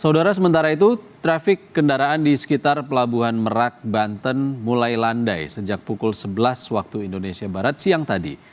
saudara sementara itu trafik kendaraan di sekitar pelabuhan merak banten mulai landai sejak pukul sebelas waktu indonesia barat siang tadi